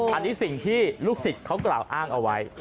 อันนี้สิ่งที่ลูกศิษย์เขากล่าวอ้างเอาไว้